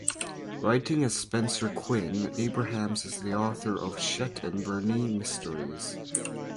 Writing as Spencer Quinn, Abrahams is the author of the Chet and Bernie Mysteries.